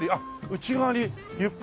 「内側にゆっくり」。